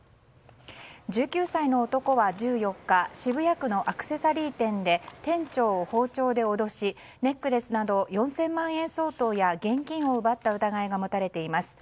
１９歳の男は１４日渋谷区のアクセサリー店で店長を包丁で脅しネックレスなど４０００万円相当や現金を奪った疑いが持たれています。